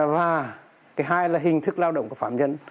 và cái hai là hình thức lao động của phạm nhân